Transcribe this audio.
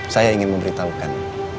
saya ingin memberitahukan